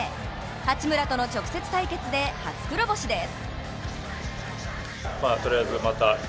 八村との直接対決で初黒星です。